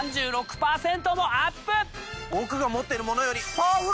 僕が持ってるものよりパワフルになってる！